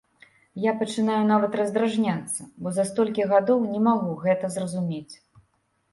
Я пачынаю нават раздражняцца, бо за столькі гадоў не магу гэта зразумець.